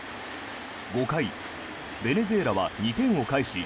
５回、ベネズエラは２点を返し